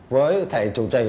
với thầy trụ trì